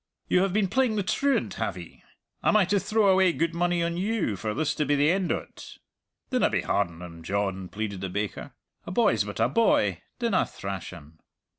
You have been playing the truant, have 'ee? Am I to throw away gude money on you for this to be the end o't?" "Dinna be hard on him, John," pleaded the baker. "A boy's but a boy. Dinna thrash him."